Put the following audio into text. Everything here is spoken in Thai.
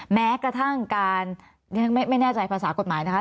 แม้กระทั่งการเรียนไม่แน่ใจภาษากฎหมายนะคะ